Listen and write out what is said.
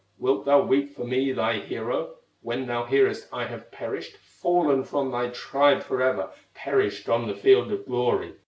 Wilt thou weep for me, thy hero, When thou hearest I have perished, Fallen from thy tribe forever, Perished on the field of glory?"